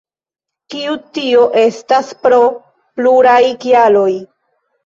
Kaj tio estas pro pluraj kialoj.